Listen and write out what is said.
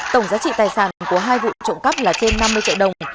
tổng giá trị tài sản của hai vụ trộm cắp là trên năm mươi triệu đồng